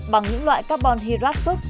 bằng những loại carbon hydrate food